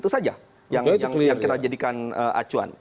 itu saja yang kita jadikan acuan